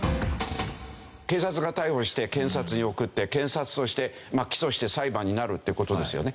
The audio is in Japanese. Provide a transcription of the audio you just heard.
警察が逮捕して検察に送って検察として起訴して裁判になるって事ですよね。